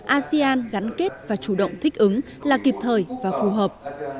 asean gắn kết và chủ động thích ứng là kịp thời và phù hợp